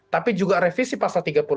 tapi juga revisi pasal tiga puluh enam